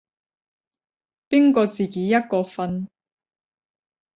邊個自己一個瞓